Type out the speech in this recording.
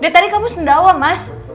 dari tadi kamu sendawa mas